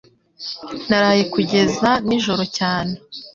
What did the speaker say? Naraye kugeza nijoro cyane.